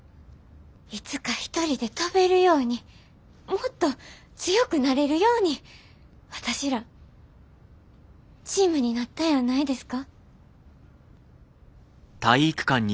いつか一人で飛べるようにもっと強くなれるように私らチームになったんやないですか？